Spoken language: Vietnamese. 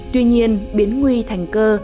tuy nhiên biến nguy thành cơ